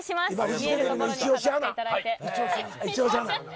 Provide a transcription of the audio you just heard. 見える所に飾っていただいて。